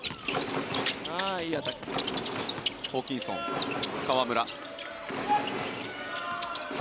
ホーキンソン、河村。